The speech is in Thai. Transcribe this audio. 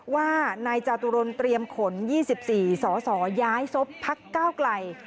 ว่านายจาตุรนเตรียมขน๒๔สสย้ายซบพักก้าวไกล